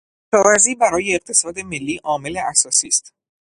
کشاورزی برای اقتصاد ملی عامل اساسی است.